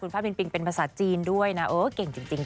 คุณฟ่านปิงเป็นภาษาจีนด้วยนะโอ้เก่งจริงจ้า